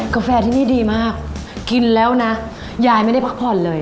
กาแฟที่นี่ดีมากกินแล้วนะยายไม่ได้พักผ่อนเลย